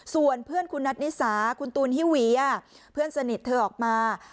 ส่วนเพื่อนคุณนัทนิสาคุณตูนฮิเวียเพื่อนสนิทเธอออกมา